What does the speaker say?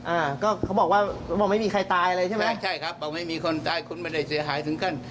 อ่าก็เขาบอกว่าบอกไม่มีใครตายเลยใช่ไหมใช่ครับบอกไม่มีคนตายคุณไม่ได้เสียหายถึงขั้น